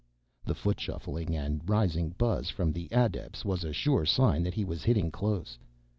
The foot shuffling and rising buzz from the adepts was a sure sign that he was hitting close.